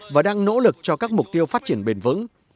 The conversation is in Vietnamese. và đang nỗ lực cho các mục tiêu phát triển bền vững